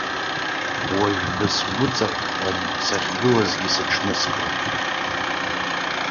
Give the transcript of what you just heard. Уажә бысгәыҵаҳәҳәан сахьгылазгьы сыҽныскылт.